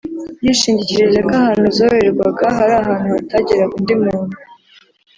yishingikirije ko ahantu zororerwaga hari ahantu hatageraga undi muntu